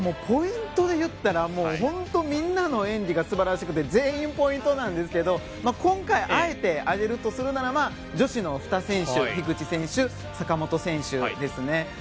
ポイントでいったら本当、みんなの演技が素晴らしくて全員ポイントなんですけど今回、あえて挙げるとするなら女子の２選手樋口選手と坂本選手ですね。